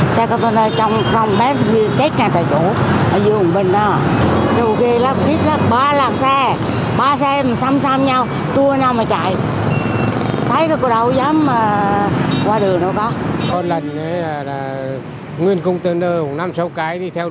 có lần là nguyễn công tư nơ năm sáu cái đi theo đuôi nhau mà có lần lúc đấy khoảng tám chín giờ sáng tôi còn thấy công tư nơ vượt đèn đỏ may mà không có người đi nếu có người đi thì gây tai nạn